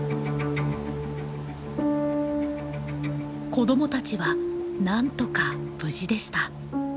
子どもたちはなんとか無事でした。